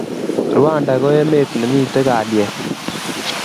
Rwanda ko met ne miten kaliet